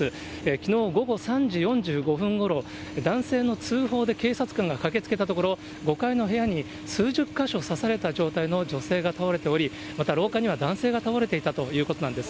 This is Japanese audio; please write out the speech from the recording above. きのう午後３時４５分ごろ、男性の通報で警察官が駆けつけたところ、５階の部屋に数十か所刺された状態の女性が倒れており、また廊下には男性が倒れていたということなんです。